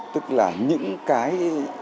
tức là những cái